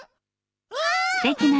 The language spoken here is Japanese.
わあ！